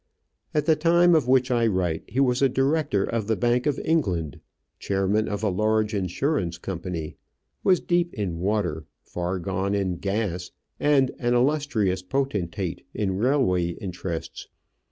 At the time of which I write, he was a director of the Bank of England, chairman of a large insurance company, was deep in water, far gone in gas, and an illustrious potentate in railway interests.